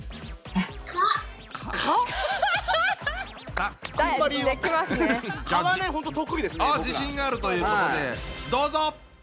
ああ自信があるということでどうぞ！